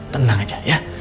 tenang aja ya